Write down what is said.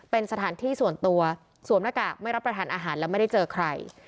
เป็นสถานที่ส่วนตัวสวมหน้ากากไม่รับประทานอาหารและไม่ได้เจอใคร